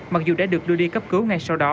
mặc dù đã được đưa đi cấp cứu ngay sau đó